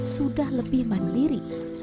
sudah lebih mandiri